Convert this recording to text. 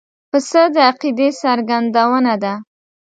پسه د عقیدې څرګندونه ده.